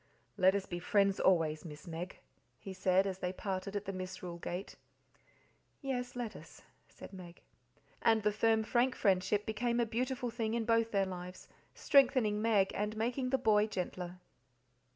"Let us be friends always, Miss Meg," he said, as they parted at the Misrule gate. "Yes, let us," said Meg. And the firm, frank friendship became a beautiful thing in both their lives, strengthening Meg and making the boy gentler.